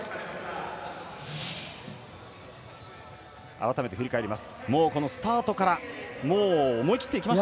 改めて、振り返ります。